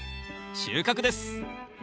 収穫です！